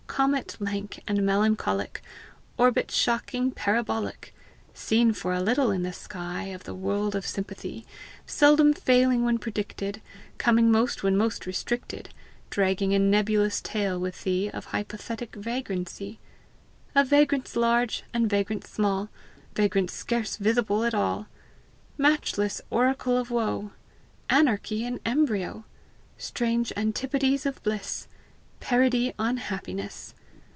Comet lank and melancholic Orbit shocking parabolic Seen for a little in the sky Of the world of sympathy Seldom failing when predicted, Coming most when most restricted, Dragging a nebulous tail with thee Of hypothetic vagrancy Of vagrants large, and vagrants small, Vagrants scarce visible at all! Matchless oracle of woe! Anarchy in embryo! Strange antipodes of bliss! Parody on happiness!